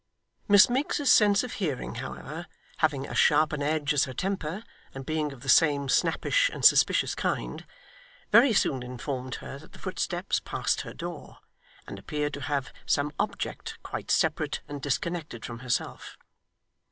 Miss Miggs's sense of hearing, however, having as sharp an edge as her temper, and being of the same snappish and suspicious kind, very soon informed her that the footsteps passed her door, and appeared to have some object quite separate and disconnected from herself.